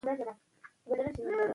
هغه په لاره کې نور غازیان پیدا کړل.